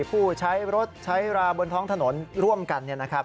ผู้ใช้รถใช้ราบนท้องถนนร่วมกัน